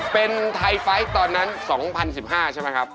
เป็นไทไฟล์ตอนนั้น๒๐๑๕ใช่ไหมครับ